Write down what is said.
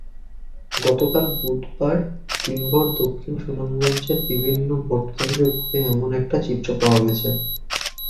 গতকাল বুধবার দিনভর দক্ষিণ সুনামগঞ্জের বিভিন্ন ভোটকেন্দ্র ঘুরে এমন চিত্র পাওয়া গেছে।